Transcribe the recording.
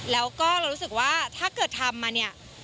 แล้วก็เรารู้สึกว่าถ้าเกิดทำมาเนี่ย